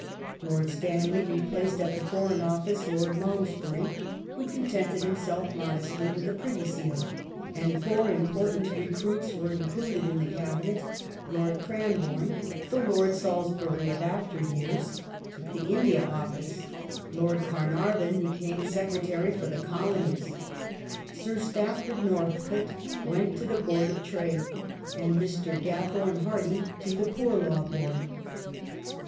Lord Stanley replaced at the Foreign Office Lord Malmes bury, who contented himself modestly with the Privy Seal, and four important recruits were included in the Cabinet : Lord Cran borne (the Lord Salisbury of after years) took the India Office ; Lord Carnarvon became Secretary for the Colonies ; Sir Stafford Northcote went to the Board of Trade, and Mr. Gathorne Hardy to the Poor Law Board.